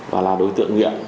và là đối tượng nghiện